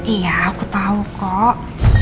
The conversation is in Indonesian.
iya aku tau kok